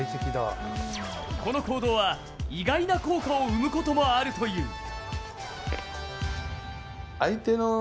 この行動は、意外な効果を生むこともあるという。